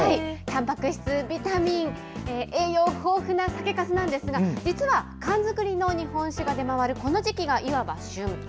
たんぱく質、ビタミン、栄養豊富な酒かすなんですが、実は寒造りの日本酒が出回るこの時期がいわば旬。